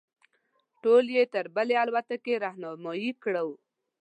ټول یې تر بلې الوتکې رهنمایي کړو.